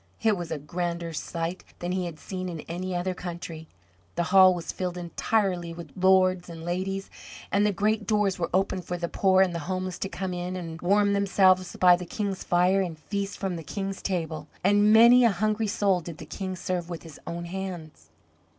It was a grander sight than he had seen in any other country. The hall was filled entirely with lords and ladies; and the great doors were open for the poor and the homeless to come in and warm themselves by the King's fire and feast from the King's table. And many a hungry soul did the King serve with his own hands.